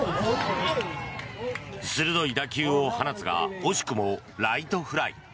鋭い打球を放つが惜しくもライトフライ。